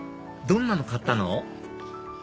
どんなの買ったの？